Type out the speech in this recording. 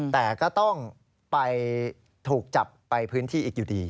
แต่ก็ต้องไปถูกจับไปพื้นที่อีกอยู่ดี